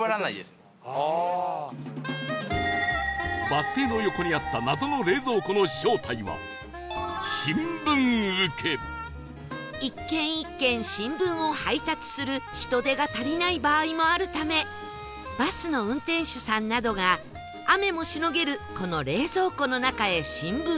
バス停の横にあった一軒一軒新聞を配達する人手が足りない場合もあるためバスの運転手さんなどが雨もしのげるこの冷蔵庫の中へ新聞を投函